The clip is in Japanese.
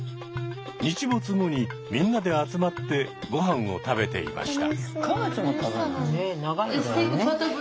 日没後にみんなで集まってごはんを食べていました。